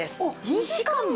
２時間も！？